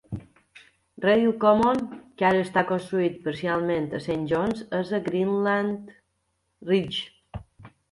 Redhill Common, que ara està construït parcialment a St John's, és a Greensand Ridge.